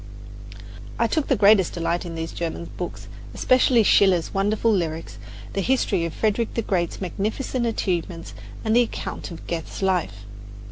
I took the greatest delight in these German books, especially Schiller's wonderful lyrics, the history of Frederick the Great's magnificent achievements and the account of Goethe's life.